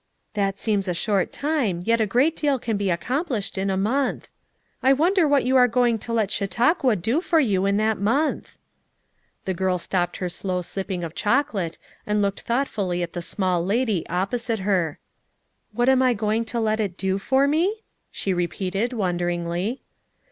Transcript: "That seems a short time, yet a great deal can be accomplished in a month. I wonder what you are going to let Chautauqua do for you in that month?" The girl stopped her slow sipping of chocolate and looked thought fully at the small lady opposite her. "What I am going to let it do for me?" she repeated wonderingly.